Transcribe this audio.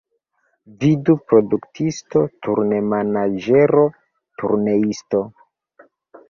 Vidu produktisto, turnemanaĝero, turneisto.